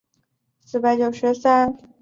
乌贼丝很好吃